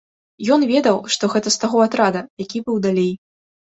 Ён ведаў, што гэта з таго атрада, які быў далей.